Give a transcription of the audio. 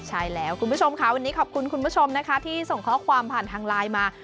ใช่แล้วคุณผู้ชมค่ะวันนี้ขอบคุณคุณผู้ชมนะคะที่ส่งข้อความผ่านทางไลน์มา